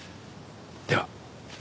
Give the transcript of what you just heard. では。